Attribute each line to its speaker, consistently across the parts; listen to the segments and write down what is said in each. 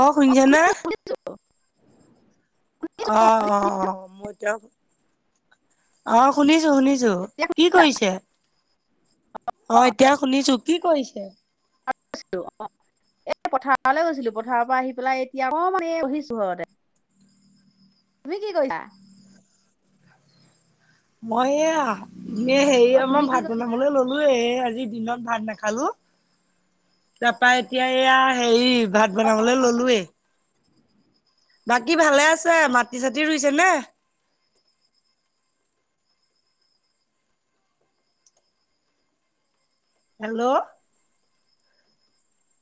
Speaker 1: অ শুনছা নে?
Speaker 2: [unintelligible]
Speaker 1: অ
Speaker 2: শুনিছো শুনিছো শুনিছো,
Speaker 1: অ
Speaker 2: শুনিছো।
Speaker 1: মইতা অ শুনিছো শুনিছো
Speaker 2: এতিয়া
Speaker 1: কি
Speaker 2: শুনিছা?
Speaker 1: কৰিছে? অ এতিয়া শুনিছো কি কৰিছে?
Speaker 2: [unintelligible] অ এ পথাৰলৈ গৈছিলো পথাৰৰ পৰা আহি পেলাই এতিয়া অকমান এই বহিছো ঘৰতে। তুমি কি কৰিছা?
Speaker 1: মই এয়া এ
Speaker 2: অ'
Speaker 1: হেৰি
Speaker 2: তুমি
Speaker 1: মই
Speaker 2: কি
Speaker 1: ভাত
Speaker 2: কৰিছা?
Speaker 1: বনাবলৈ ললো এ আজি দিনত ভাত নাখালো, তাৰাপা এতিয়া এইয়া হেৰি ভাত বনাবলৈ ললোৱে। বাকী ভালে আছে? মাটি-চাটি ৰুইছে নে? হেল্ল'!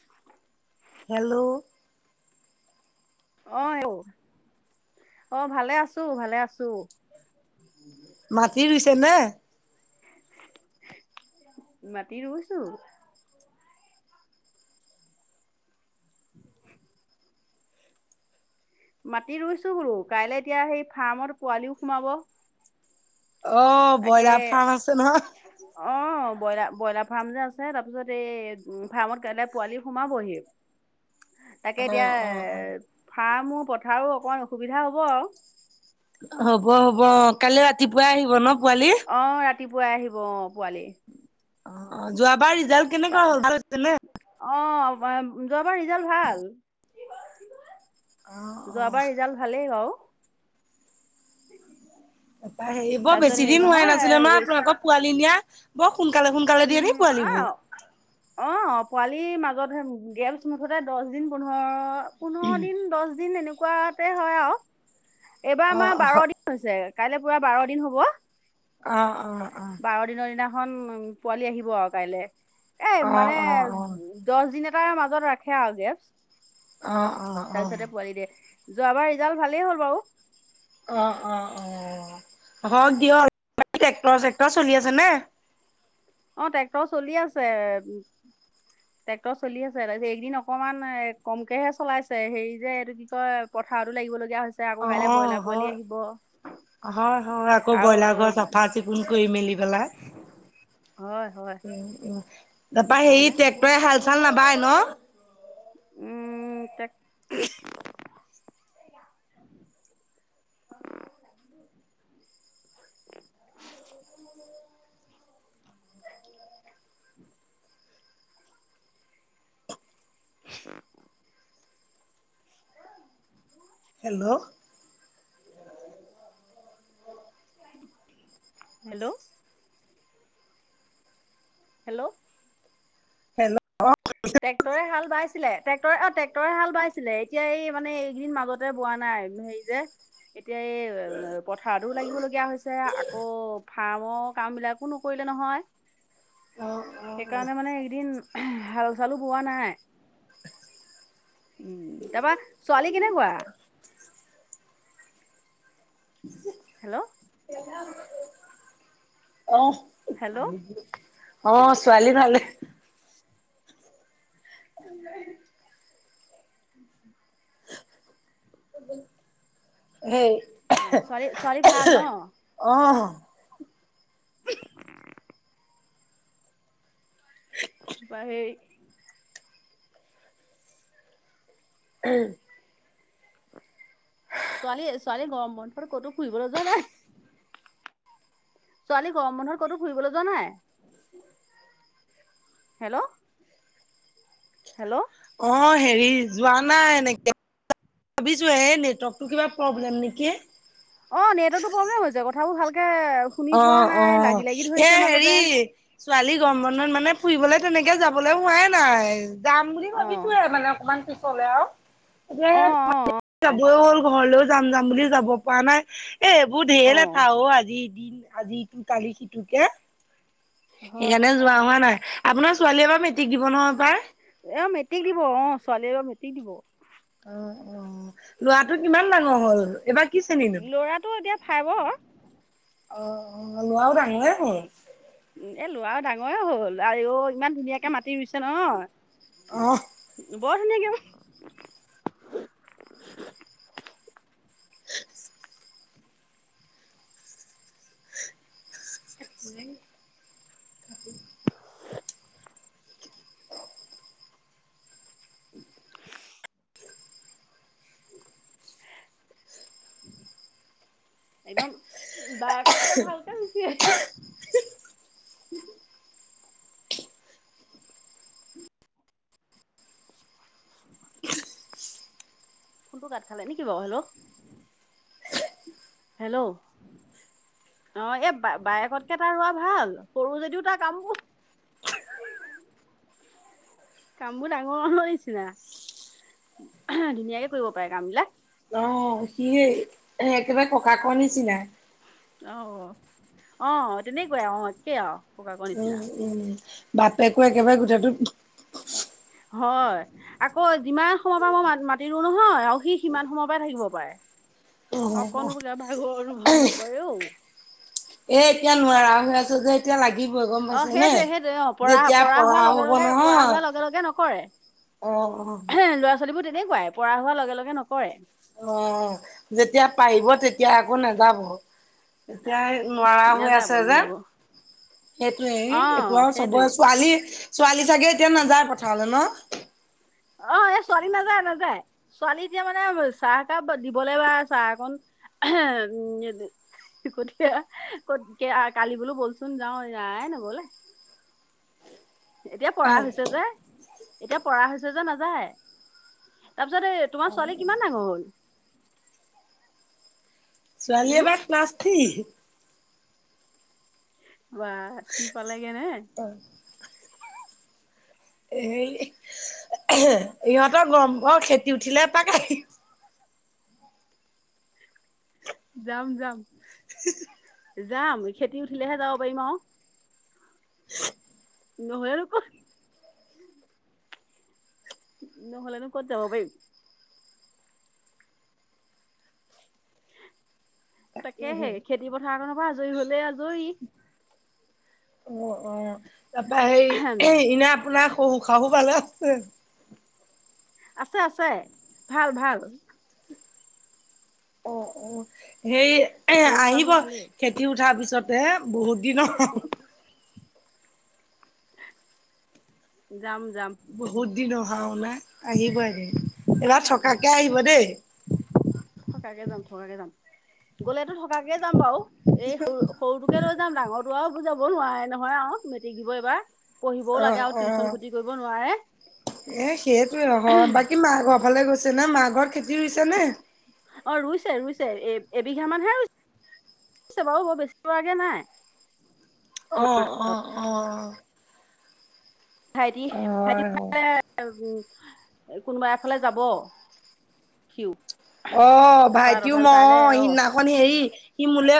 Speaker 2: [inaudible]
Speaker 1: হেল্ল'
Speaker 2: অ আঔ অ ভালে আছো, ভালে আছো।
Speaker 1: মাটি ৰুইছেনে?
Speaker 2: মাটি ৰুইছো। [inaudible] মাটি ৰুইছো বুলো। কাইলৈ এতিয়া সেই ফাৰ্মত পোৱালিও সোমাব।
Speaker 1: অ
Speaker 2: তাকে
Speaker 1: ব্ৰইলাৰ ফাৰ্ম আছে নহ।
Speaker 2: অ ব্ৰইলাৰ ব্ৰইলাৰ ফাৰ্ম যে আছে, তাৰপিছত এই ফাৰ্মত কাইলৈ পোৱালি সোমাবহি।
Speaker 1: অ
Speaker 2: তাকে এতিয়া
Speaker 1: অ অ
Speaker 2: এ ফাৰ্মোও পথাৰো অকমান অসুবিধা হ'ব আৰু।
Speaker 1: হ'ব হ'ব কাইি ৰাতিপুৱাই আহিব ন পোৱালি?
Speaker 2: অ ৰাতিপুৱাই আহিব অ পোৱালি।
Speaker 1: অ যোৱাবাৰ ৰিজাল্ট
Speaker 2: তা
Speaker 1: কেনেকুৱা হ'ল ভাল হৈছে নে?
Speaker 2: অ যোৱাবাৰ ৰিজাল্ট ভাল।
Speaker 1: অ', অ',
Speaker 2: যোৱাবাৰ ৰিজাল্ট ভালেই বাউ।
Speaker 1: সেইবৰ
Speaker 2: তাৰপিছত
Speaker 1: বেছি
Speaker 2: হেৰি
Speaker 1: দিন হোৱাই
Speaker 2: নহয়
Speaker 1: নাছিলে ন
Speaker 2: এ, চ-
Speaker 1: আপোনালোকৰ পোৱালি নিয়া? বৰ সোনকালে সোনকালে দিয়ে নি
Speaker 2: উম,
Speaker 1: পোৱালীবোৰ?
Speaker 2: অ', অ পোৱালিৰ মাজতে গেপছ মুঠতে দহ দিন পোন্ধৰ পোন্ধৰ দিন, দহ দিন এনেকুৱাতে হয় আৰু। এইবাৰ আমাৰ
Speaker 1: অ',
Speaker 2: বাৰ
Speaker 1: অ',
Speaker 2: দিন হৈছে। কাইলৈ পুৰা বাৰ দিন হ'ব।
Speaker 1: অ অ অ।
Speaker 2: বাৰ দিনৰ দিনাখন উ পোৱালি আহিব আৰু কাইলে। এ
Speaker 1: অ', অ',
Speaker 2: মানে
Speaker 1: অ',
Speaker 2: উ দহ দিন এটাৰ মাজত ৰাখে আৰু গেপছ,
Speaker 1: অ', অ', অ',
Speaker 2: তাৰপিছতে পোৱালি দিয়ে। যোৱাবাৰ ৰিজাল্ট ভালেই হ'ল বাৰু।
Speaker 1: অ অ অ হক দিয়ক অলপ ট্ৰেক্টৰ-চেক্টৰ চলি আছে নে?
Speaker 2: অ ট্ৰেক্টৰ চলি আছে। ট্ৰেক্টৰ চলি আছে। তাৰপিছত এইদিন অকমান কমকেহে চলাইছে হেৰি যে এইটো কি কয় পথাৰতো লাগিবলগীয়া হৈছে আকৌ
Speaker 1: অ
Speaker 2: কাইলে ব্ৰইলাৰ পোৱালি
Speaker 1: হয়,
Speaker 2: আহিব
Speaker 1: হয় হয় আকৌ ব্ৰইলাৰ ঘৰ
Speaker 2: আৰু
Speaker 1: চাফা চফ ভ কৰি মেলি পেলাই।
Speaker 2: হয় হয়
Speaker 1: তাৰপা হেৰি
Speaker 2: সেইকাৰণে
Speaker 1: টেক ৰে হাল-চাল নাবায় ন?
Speaker 2: উম tech [unintelligible] [inaudible] [inaudible]
Speaker 1: hello.
Speaker 2: Hello. Hello.
Speaker 1: Hello অ'
Speaker 2: ট্ৰেক্টৰে হাল বাইছিলে। টেক্টৰে অ' ট্ৰেক্টৰে হাল বাইছিলে, এতিয়া এই মানে এইকেইদিন মাজতে বোৱা নাই, হে [unintelligible] এতিয়া এই পথাৰতো লাগিব লগগীয়া হৈছে আকৌ ফাৰ্মৰ কামবিলাক কো নকৰিলে নহয়,
Speaker 1: অ',
Speaker 2: সেইকাৰণে মানে একেদিন ছালো বোৱা নাই। উ, তাৰপা ছোৱালী কেনেকুৱা? হেল্ল'।
Speaker 1: [unintelligible] অ'।
Speaker 2: হেল্ল'।
Speaker 1: অ' ছোৱালী ভালে। [unintelligible] সেই
Speaker 2: [unintelligible] ছোৱালী ছোৱালী ভাল ন'?
Speaker 1: অ'।
Speaker 2: কিবা হেৰি ছোৱালী ছোৱালী গৰম বন্ধতো ক'তো ফুৰিব যোৱা নাই? ছোৱালী গৰম বন্ধত ক'তো ফুৰিবলৈ যোৱা নাই? হেল্ল'। হেল্ল'।
Speaker 1: অ' হেৰি যোৱা নাই এনেকে, ভাবিছোঁ হে নেটৱৰ্কটো কিবা প্ৰব্লেম নেকি।
Speaker 2: অ' নেটৱৰ্তটো প্ৰব্লেম হৈছে, কথাবোৰ ভালকে শুনি পোৱা
Speaker 1: অ',
Speaker 2: নাই লাগি
Speaker 1: অ'
Speaker 2: লাগি
Speaker 1: এ,
Speaker 2: ধৰিছে
Speaker 1: হেৰি
Speaker 2: মাজতে
Speaker 1: ছোৱালী গৰম বন্ধত মানে ফুৰিবলে তেনেকে যাবলৈ হোৱাই নাই। যাম বুলি
Speaker 2: অ
Speaker 1: ভাবিছোঁৱে মানে অকণমান পিছলে আৰু।
Speaker 2: অ
Speaker 1: [unintelligible] যাবই হ'ল, ঘৰলৈও যাম যাম বুলি যাব পৰা নাই। এ, এইবোৰ ঢেৰ এঠা অ' আজি দিন আজিটো কালি সিটোকে।
Speaker 2: হয়
Speaker 1: সেইকাৰণে যোৱা হোৱা নাই। আপোনাৰ ছোৱালীয়ে এবাৰ মেট্ৰিক দিব ন' হপাই?
Speaker 2: এই মেট্ৰিক দিব, অ' ছোৱালীয়ে মেট্ৰিক দিব।
Speaker 1: অ', অ'। লৰাটো কিমান ডাঙৰ হ'ল এইবাৰ? কি শ্ৰেণীনো?
Speaker 2: ল'ৰাটো এতিয়া ফাইভৰ।
Speaker 1: অ', অ' ল'ৰাও ডাঙৰে হ'ল।
Speaker 2: এ, ল'ৰাও ডাঙৰে হ'ল, আয়ৈ ইমান ধুনীয়াকে মাতি দিছে নহয়।
Speaker 1: অ'।
Speaker 2: বৰ ধুনীয়াকে
Speaker 1: [inaudible] [unintelligible]
Speaker 2: [inaudible] একদম বায়েকতকে ভালকে গুচি [unintelligible] [inaudible] ফোনটো কাট খালে নেকি বাৰু, হেল্ল'। হেল্ল'? [unintelligible] অ এই বায়েকতকে তাৰ ৰোৱা ভাল সৰু যদিও তাৰ কামবোৰ [inaudible] [inaudible] কামবোৰ ডাঙৰ [inaudible] নিচিনা। [inaudible] ধুনীয়াকে কৰিব পাৰে কাম বিলাক।
Speaker 1: অঁ! সিয়েই একেবাৰে ককাকৰ নিচিনাই। [inaudible]
Speaker 2: অঁ! অঁ তেনেকুৱাই আহ একে আৰু। [inaudible] নিচিনা
Speaker 1: উম-উম বাপেকো একেবাৰে গোটেটো [inaudible]
Speaker 2: হয়। [unintelligible] আকৌ যিমান সময়ৰ পৰা মই মা মাটিৰো নহয় আৰু সি সিমান সময়ৰ পৰাই থাকিব পাৰে। [unintelligible]
Speaker 1: অ',
Speaker 2: অকনো বোলে ভাগৰ অনুভৱ নকৰে অ। [unintelligible]
Speaker 1: এই এতিয়া নোৱাৰা হৈ আছো যে। [inaudible] তেতিয়া লাগিবই গম
Speaker 2: অ
Speaker 1: পাইছে নে
Speaker 2: সেইটোৱে সেইটোৱে অ পৰা
Speaker 1: যেতিয়া
Speaker 2: পৰা হোৱাৰ
Speaker 1: পঢ়াও
Speaker 2: লগে
Speaker 1: হ'ব
Speaker 2: লগে পৰা
Speaker 1: নহয়
Speaker 2: হোৱাৰ লগে লগে
Speaker 1: [unintelligible] অঁ-অঁ। [inaudible]
Speaker 2: ল'ৰা-ছোৱালীবোৰ তেনেকুৱাই পৰা হোৱা লগে-লগে নকৰে। [inaudible]
Speaker 1: অঁ! যেতিয়া পাৰিব তেতিয়া আকৌ নাযাব। [unintelligible] এতিয়া নোৱাৰা হৈ
Speaker 2: নাযাব
Speaker 1: আছে যে [inaudible]
Speaker 2: নাযাব অ
Speaker 1: সেইটোৱেই এইটো আৰু চবৰে
Speaker 2: সেইটোৱে
Speaker 1: ছোৱালী [unintelligible] ছোৱালী চাগে এতিয়া নাযায় পথাৰলৈ ন? [inaudible]
Speaker 2: অ‍ঁ! এই ছোৱালী নাযায়-নাযায় ছোৱালী এতিয়া মানে চাহ একাপ দিবলৈ বা চাহকণ [unintelligible] [inaudible] কঠিয়া কত কে [inaudible] কালি বোলো ব'লচোন যাওঁ নাই নগ'লে। এতিয়া পৰা হৈছে যে। [inaudible] এতিয়া পৰা হৈছে যে নাযায়। তাৰপিছত এ তোমাৰ ছোৱালী কিমান ডাঙৰ হ'ল? [unintelligible]
Speaker 1: ছোৱালী
Speaker 2: উম
Speaker 1: এইবাৰ ক্লাছ থ্ৰি। [unintelligible]
Speaker 2: বাহ থ্ৰি পালেগে নে? [unintelligible]
Speaker 1: হয় [inaudible] এই [inaudible] ইহঁতৰ গৰম বন্ধ খেতি উঠিলে এপাক [unintelligible]
Speaker 2: যাম-যাম। [unintelligible]
Speaker 1: উ [inaudible]
Speaker 2: যাম। খেতি উঠিলেহে যাব পাৰিম আৰু। [unintelligible] নহয় আৰু ক [inaudible] নহ'লেনো ক'ত যাব পাৰিম। [unintelligible] তাকেহে খেতি পথাৰ কনৰ পৰা আজৰি হলে আজৰি। [unintelligible]
Speaker 1: অ-অ! তাৰপৰা সেই [unintelligible] ইনে আপোনাৰ শহুৰ-শাহু ভালে আছে?
Speaker 2: আছে-আছে। ভাল-ভাল। [inaudible]
Speaker 1: অঁ-অঁ! হেৰি [unintelligible] এ
Speaker 2: শহু শাহু
Speaker 1: আহিব
Speaker 2: ভালেই
Speaker 1: খেতি উঠাৰ পিছতে বহুত দিনৰ [inaudible]
Speaker 2: অ [inaudible] [inaudible] যাম-যাম।
Speaker 1: বহুত দিন অহাও নাই আহিব এদিন। এইবাৰ
Speaker 2: অ',
Speaker 1: থকাকে আহিব দেই? [inaudible]
Speaker 2: থকাকে যাম-থকাকে যাম। গ'লেতো থকাকে যাম বাৰু এই সৰু [unintelligible] সৰুটোকে লৈ যাম ডাঙৰটো আৰু যাব নোৱাৰে নহয় আৰু মেট্ৰিক দিব এইবাৰ। [unintelligible] পঢ়িবও
Speaker 1: অ
Speaker 2: লাগে আৰু টিউচন
Speaker 1: অ
Speaker 2: খতি কৰিবও নোৱাৰে। [inaudible]
Speaker 1: এ সেইটোৱে [inaudible] বাকী মা ঘৰৰ ফালে গৈছে নে, মাৰ ঘৰত খেতি ৰুইছে নে?
Speaker 2: অ ৰুইছে-ৰুইছে এ এবিঘা মানহে ৰুই [inaudible] ৰুইছে বাৰু বৰ বেছি ৰুৱাগে নাই। [unintelligible]
Speaker 1: অ অ অ অ
Speaker 2: ভাইটি ভাইটি
Speaker 1: হয়, হয়।
Speaker 2: এফালে উ কোনোবা এফালে যাব সিও
Speaker 1: অ
Speaker 2: তাৰপা
Speaker 1: ভাইটিও
Speaker 2: তথাপি কাইলে
Speaker 1: মই
Speaker 2: অ',
Speaker 1: সিদিনা খন হেৰি সি মোলে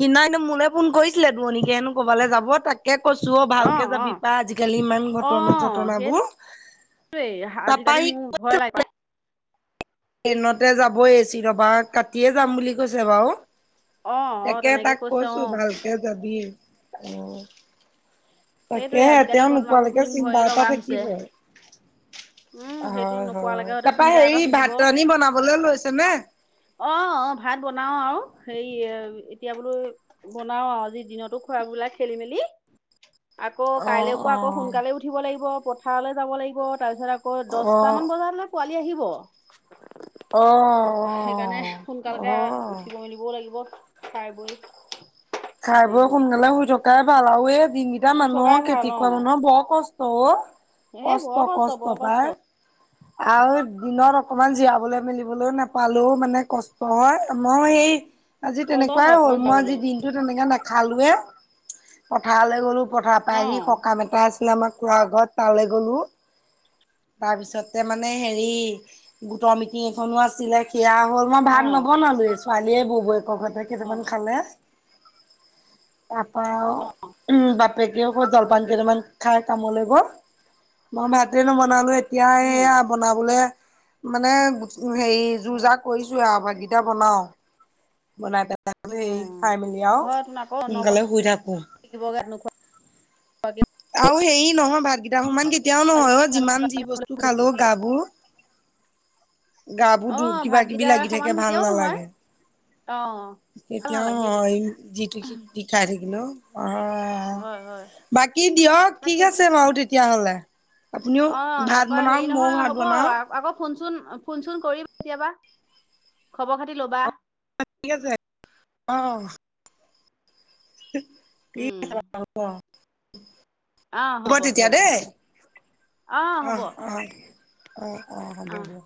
Speaker 1: সিদিনা হেনো মোলে ফোন কৰিছিলে দুৱনিকে হেনো কৰবালে যাব তাকে কৈছো অ ভালকে যাবি পাই আজিকালি ইমান ঘটনা -
Speaker 2: অ',
Speaker 1: চটনাবোৰ
Speaker 2: সেইটোৱে
Speaker 1: তাৰপা
Speaker 2: আজিকালি
Speaker 1: সি
Speaker 2: মোৰ ভয় লাগে পাই
Speaker 1: ট্ৰেইনতে যাবই এ চি দবা টিকেত কাটিয়ে যাম বুলি কৈছে বাৰু
Speaker 2: অ', অ',
Speaker 1: তাকে
Speaker 2: তেনেকে
Speaker 1: তাক
Speaker 2: কৈছে
Speaker 1: কৈছো
Speaker 2: অ',
Speaker 1: ভালকে যাবি অ
Speaker 2: সেইটোৱে
Speaker 1: তাকেহে
Speaker 2: আজিকালি
Speaker 1: তেওঁ
Speaker 2: ঘটনাবোৰ
Speaker 1: নোপোৱালৈকে
Speaker 2: শুনি
Speaker 1: চিন্তা
Speaker 2: ভয়ে
Speaker 1: এটা
Speaker 2: লগা হৈছে
Speaker 1: থাকিব।
Speaker 2: উম সেইটো
Speaker 1: হয় হয়
Speaker 2: নোপোৱালৈকে হয়তে
Speaker 1: তাৰপা
Speaker 2: চিন্তা এটা
Speaker 1: হেৰি ভাত
Speaker 2: থাকিব
Speaker 1: ৰান্ধি বনাবলৈ লৈছে নে?
Speaker 2: অ অ ভাত বনাও আৱ হেৰি এতিয়া বোলো বনাও আৰু আজি দিনতো খোৱা বলা খেলি মেলি আকৌ কাইলে
Speaker 1: অ'
Speaker 2: পুৱা আকৌ
Speaker 1: অ'
Speaker 2: সোনকালে উঠি উঠিব লাগিব পথাৰলৈ যাব লাগিব তাৰপিছত আকৌ দহটামান বজালে পোৱালী আহিব
Speaker 1: অ'
Speaker 2: সেইকাৰণে
Speaker 1: অ'
Speaker 2: তেতিয়ালৈকে
Speaker 1: অ'
Speaker 2: উঠিব মেলিবও লাগিব খাই বৈ
Speaker 1: খাই
Speaker 2: আজৰি
Speaker 1: বৈ
Speaker 2: হওঁ
Speaker 1: সোনকালে শুই থকাই ভাল আৰুৱে ডিঙি এ
Speaker 2: শুই থকাই
Speaker 1: মানুহৰ
Speaker 2: ভাল
Speaker 1: খেতি
Speaker 2: অ
Speaker 1: কৰা মানুহৰ বৰ কষ্ট অ
Speaker 2: সেই বৰ
Speaker 1: কষ্ট
Speaker 2: বৰ
Speaker 1: কষ্ট পায়
Speaker 2: [unintelligible]
Speaker 1: আৰু দিনত অকমান জিৰাবলৈ মেলিবলৈও নাপালেও মানে কষ্ট হয় মই সেই আজি
Speaker 2: কষ্ট
Speaker 1: তেনেকুৱাই
Speaker 2: হয়
Speaker 1: হ'ল
Speaker 2: অকমান
Speaker 1: মই আজি
Speaker 2: যাবলৈও
Speaker 1: দিন দিনতো তেনেকে নাখালোৱে পথাৰলৈ গ'লো পথাৰ
Speaker 2: অ
Speaker 1: পৰা আহি হকাম এটা আছিলে আমাৰ খুড়া ঘৰত তালে গ'লো তাৰপিছতে মানে হেৰি গোটৰ মিটিং এখনো আছিলে সেয়া হ'ল মই
Speaker 2: অ
Speaker 1: ভাত নবনালোৱেই ছোৱালীয়ে ববৌয়েকৰ ঘৰত থাকি
Speaker 2: অ
Speaker 1: কেইটামান খালে তাৰ পৰা আৰু
Speaker 2: অ
Speaker 1: উম বাপেকেও আকৌ জলপান কেইটামান খাই কামলে গল' মই ভাতে নবনালোঁ এতিয়া
Speaker 2: উম
Speaker 1: সেয়া বনাবলে মানে হেৰি যোৰ
Speaker 2: হয়
Speaker 1: যাৰ কৰিছো আৰু বাকি ভাত কেইটা বনাও বনাই পেলাই হেৰি
Speaker 2: অ
Speaker 1: খাই মেলি আৰু
Speaker 2: হয় তোন আকৌ নবনাই
Speaker 1: সোনকালে শুই থাকোঁ
Speaker 2: [unintelligible]
Speaker 1: আৰু হেৰি নহয় ভাতকেইটাৰ সমান কেতিয়াও নহয় অ যিমান যি বস্তু খালো গাবোৰ গা বোৰ কিবা কিবি
Speaker 2: ভাতকেইটা
Speaker 1: লাগি
Speaker 2: সমান
Speaker 1: থাকে ভাল
Speaker 2: কেতিয়াও নহয়
Speaker 1: নালাগে
Speaker 2: অ', ভাল
Speaker 1: কেতিয়াও
Speaker 2: নালাগে সেইটোৱে
Speaker 1: নহয় যিটো খাই থাকিলো অ
Speaker 2: হয়, হয়।
Speaker 1: বাকী দিয়ক ঠিক
Speaker 2: তাকে।
Speaker 1: আছে বাৰু তেতিয়াহ'লে আপুনিও
Speaker 2: অ',
Speaker 1: ভাত
Speaker 2: তাৰপা
Speaker 1: বনাওক
Speaker 2: হেৰি
Speaker 1: মইও
Speaker 2: নহয়
Speaker 1: ভাত
Speaker 2: হ'ব
Speaker 1: বনাও
Speaker 2: আকৌ ফোন চোন ফোন চোন কৰিম কেতিয়াবা খবৰ খাতি ল'বা
Speaker 1: অ ঠিক আছে অ [unintelligible]
Speaker 2: উম আহ হ'ব
Speaker 1: তেতিয়া
Speaker 2: হ'ব
Speaker 1: দেই অ অ অ অ হ'ব দিয়ক